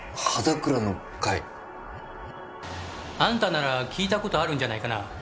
あんたなら聞いたことあるんじゃないかな。